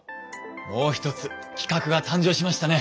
もう一つ企画が誕生しましたね！